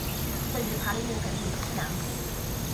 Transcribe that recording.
位于塔里木盆地西南部。